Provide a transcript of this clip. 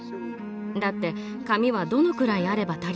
だって紙はどのくらいあれば足りるでしょうか？